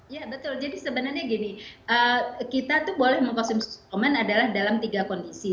ya betul jadi sebenarnya gini kita tuh boleh mengkonsumsi komen adalah dalam tiga kondisi